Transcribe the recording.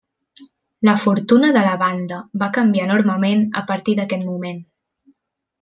La fortuna de la banda va canviar enormement a partir d'aquest moment.